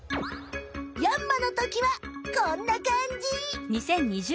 ヤンマのときはこんなかんじ！